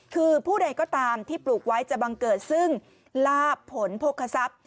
คือผู้ใดก็ตามที่ปลูกไว้จะบังเกิดซึ่งลาบผลพกษัพย์